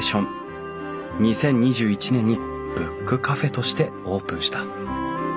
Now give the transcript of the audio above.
２０２１年にブックカフェとしてオープンした。